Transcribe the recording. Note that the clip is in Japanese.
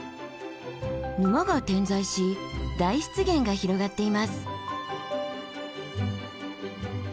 沼が点在し大湿原が広がっています。